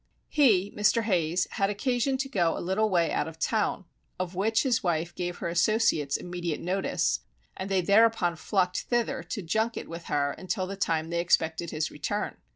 He (Mr. Hayes) had occasion to go a little way out of town, of which his wife gave her associates immediate notice, and they thereupon flocked thither to junket with her until the time they expected his return.